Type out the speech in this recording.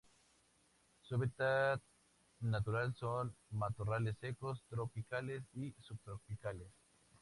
Su hábitat natural son matorrales secos tropicales y subtropicales.